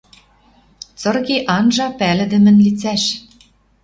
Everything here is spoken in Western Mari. Цырге анжа пӓлдӹмӹн лицӓш.